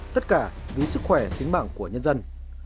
tất cả vì sức khỏe tính bảng của nhân dân